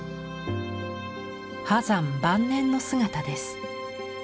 波山晩年の姿です。